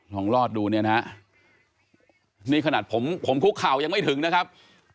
ลองรอดดูเนี่ยนะฮะนี่ขนาดผมผมคุกเข่ายังไม่ถึงนะครับ